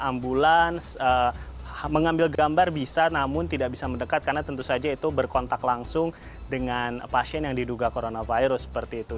ambulans mengambil gambar bisa namun tidak bisa mendekat karena tentu saja itu berkontak langsung dengan pasien yang diduga coronavirus seperti itu